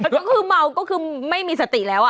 ก็คือเมาก็คือไม่มีสติแล้ว